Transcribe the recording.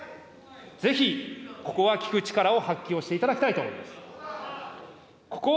ぜひここは聞く力を発揮をしていただきたいと思います。